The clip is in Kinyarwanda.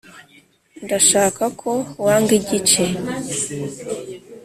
ndashaka ko wanga igice